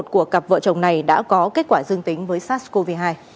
của cặp vợ chồng này đã có kết quả dương tính với sars cov hai